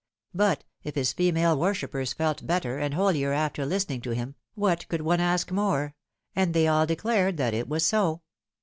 But if his female worshippers felt better and holier after listening to him, what could one ask more ? and they all declared that it was so.